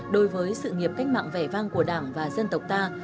đối với sự nghiệp cách mạng vẻ vang của đảng và dân tộc ta